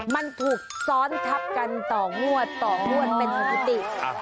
มันถูกซ้อนทับกันต่องวดต่องวดเป็นสถิติ